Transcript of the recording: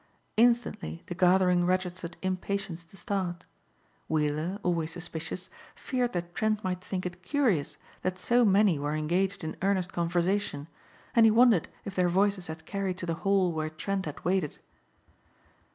Instantly the gathering registered impatience to start. Weiller, always suspicious, feared that Trent might think it curious that so many were engaged in earnest conversation, and he wondered if their voices had carried to the hall where Trent had waited.